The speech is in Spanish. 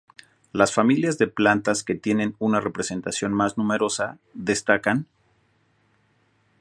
Las familias de plantas que tienen una representación más numerosa destacan,